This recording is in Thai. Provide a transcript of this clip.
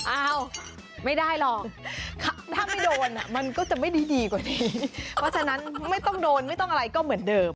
อ้าวไม่ได้หรอกถ้าไม่โดนมันก็จะไม่ได้ดีกว่านี้เพราะฉะนั้นไม่ต้องโดนไม่ต้องอะไรก็เหมือนเดิม